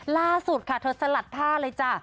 ล่าสุดค่ะเธอสลัดผ้าเลยจ้ะ